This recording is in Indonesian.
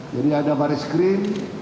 jadi ada baris krim